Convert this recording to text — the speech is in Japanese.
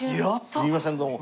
すいませんどうも。